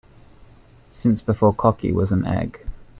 Since before cocky was an egg.